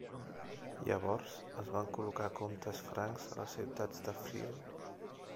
Llavors es van col·locar comtes francs a les ciutats de Friül.